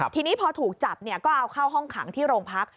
ทีนี้พอถูกจับก็เอาเข้าห้องขังที่โรงพัก